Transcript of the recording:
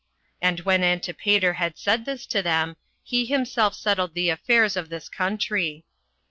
And when Antipater had said this to them, he himself settled the affairs of this country.